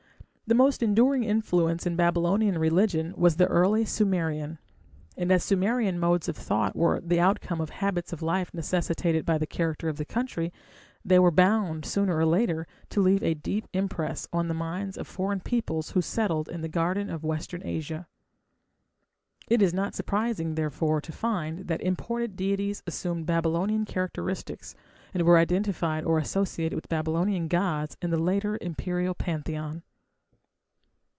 The most enduring influence in Babylonian religion was the early Sumerian; and as Sumerian modes of thought were the outcome of habits of life necessitated by the character of the country, they were bound, sooner or later, to leave a deep impress on the minds of foreign peoples who settled in the Garden of Western Asia. It is not surprising, therefore, to find that imported deities assumed Babylonian characteristics, and were identified or associated with Babylonian gods in the later imperial pantheon.